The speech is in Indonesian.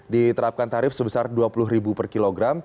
diterapkan tarif sebesar rp dua puluh per kilogram